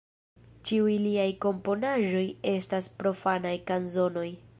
Ĉiuj liaj komponaĵoj estas profanaj kanzonoj.